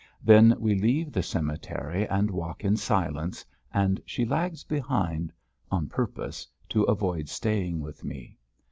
Then we leave the cemetery and walk in silence and she lags behind on purpose, to avoid staying with me.